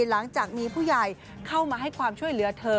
หลังจากมีผู้ใหญ่เข้ามาให้ความช่วยเหลือเธอ